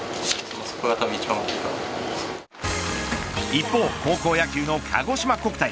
一方、高校野球のかごしま国体